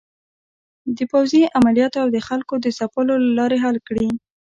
د پوځې عملیاتو او د خلکو د ځپلو له لارې حل کړي.